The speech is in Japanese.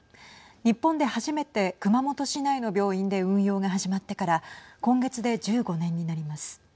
日本で初めて熊本市内の病院で運用が始まってから今月で１５年になります。